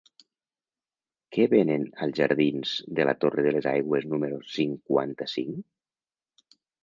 Què venen als jardins de la Torre de les Aigües número cinquanta-cinc?